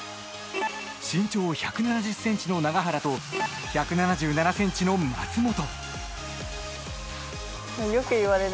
身長１７０ｃｍの永原と１７７ｃｍの松本。